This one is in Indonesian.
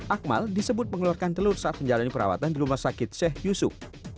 akmal disebut mengeluarkan telur saat menjalani perawatan di rumah sakit sheikh yusuf